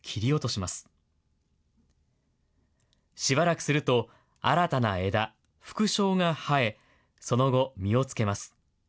しばらくすると、新たな枝、副梢が生え、その後、実を付けます。